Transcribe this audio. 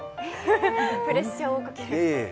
プレッシャーをかける。